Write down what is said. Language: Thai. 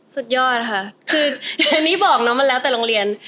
สุดยอดค่ะคืออันนี้บอกน้องมันแล้วแต่โรงเรียน